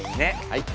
はい。